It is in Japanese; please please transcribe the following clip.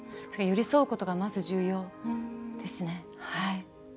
寄り添うことが、まず重要ですね。